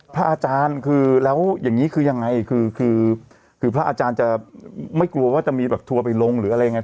พระอาจารย์คือแล้วอย่างนี้คือยังไงคือคือพระอาจารย์จะไม่กลัวว่าจะมีแบบทัวร์ไปลงหรืออะไรยังไง